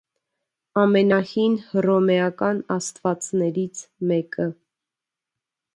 Ամենահին հռոմեական աստվածներից մեկը։